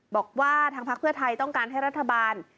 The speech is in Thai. บอกว่าทางพักเพื่อไทยต้องการให้รัฐบาล